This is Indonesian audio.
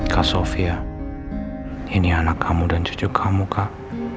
kak sofia ini anak kamu dan cucu kamu kak